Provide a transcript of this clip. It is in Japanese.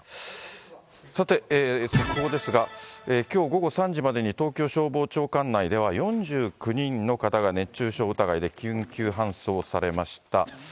さて、速報ですが、きょう午後３時までに東京消防庁管内では４９人の方が熱中症疑いで緊急搬送されました。